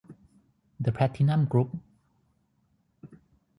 เดอะ แพลทินัม กรุ๊ป